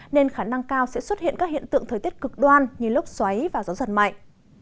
nên khả năng cao sẽ xuất hiện các hiện tượng thời tiết cực đoan như lốc xoáy và gió giật mạnh